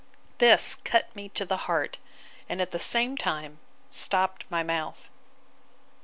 This cut me to the heart; and, at the same time, stopped my mouth.